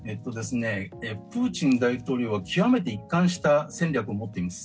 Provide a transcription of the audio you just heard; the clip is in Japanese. プーチン大統領は極めて一貫した戦略を持っています。